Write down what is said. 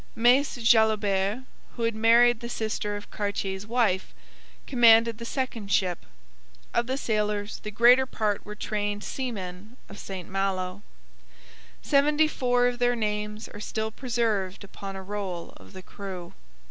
Mace Jalobert, who had married the sister of Cartier's wife, commanded the second ship. Of the sailors the greater part were trained seamen of St Malo. Seventy four of their names are still preserved upon a roll of the crew.